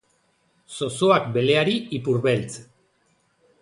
Zozoak beleari "ipurbeltz".